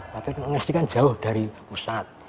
tapi pns kan jauh dari pusat